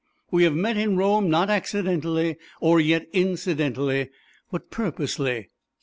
"We have met in Rome not accidentally or yet incidentally, but purposely.